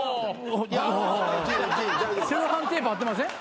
セロハンテープ貼ってません？